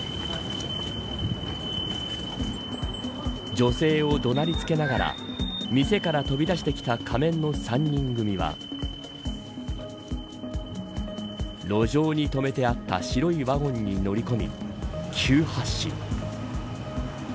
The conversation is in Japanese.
女性を怒鳴りつけながら店から飛び出してきた仮面の３人組は路上に止めてあった白いワゴンに乗り込み急発進。